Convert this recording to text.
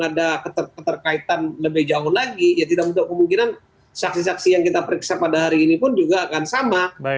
ada keterkaitan lebih jauh lagi ya tidak menutup kemungkinan saksi saksi yang kita periksa pada hari ini pun juga akan sama